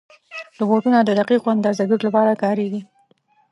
روبوټونه د دقیقو اندازهګیرو لپاره کارېږي.